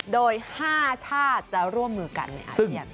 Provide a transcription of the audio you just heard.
โดย๕ชาติจะร่วมมือกันในอาเซียน